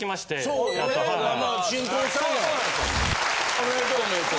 おめでとうおめでとう。